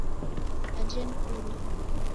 Aje ni kula